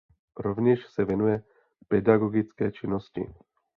Rovněž se věnuje pedagogické činnosti.